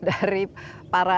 ada penelitian anda lihat